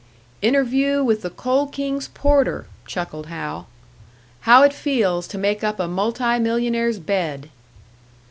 "Interview with the Coal King's porter!" chuckled Hal. "How it feels to make up a multi millionaire's bed!"